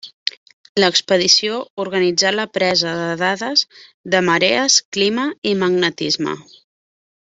L'expedició organitzà la presa de dades de marees, clima i magnetisme.